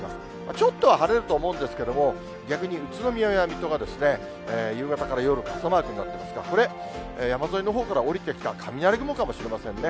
ちょっとは晴れると思うんですけれども、逆に宇都宮や水戸が夕方から夜、傘マークになってますが、これ、山沿いのほうから降りてきた雷雲かもしれませんね。